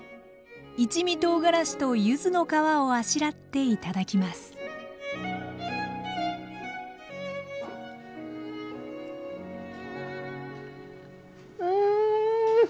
一味とうがらしとゆずの皮をあしらって頂きますうん！